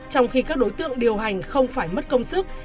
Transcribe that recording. trong khi các đối tượng điều hành không phải mất công sức